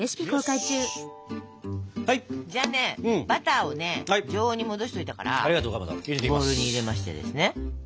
じゃねバターを常温に戻しておいたからボウルに入れましてですね。